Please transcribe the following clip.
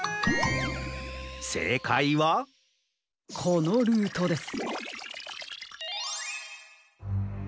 せいかいはこのルートです。